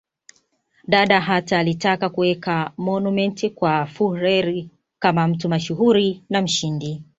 Dada hata alitaka kuweka monument kwa Fuhrer kama mtu mashuhuri na mshindi